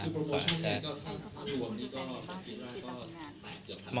คุณโปรโมชั่นเนี่ยก็ถ้าหลวงนี่ก็คิดว่าก็ตายเกี่ยวกับธรรมดา